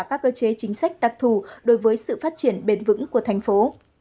các cơ chế chính sách đặc thù đối với sự phát triển bền vững của thành phố